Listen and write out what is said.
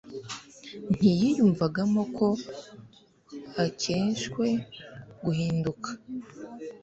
Ntiyiyumvagamo ko akencye guhinduka.